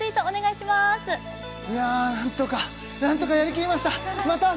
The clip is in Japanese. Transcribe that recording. いや何とかやりきりました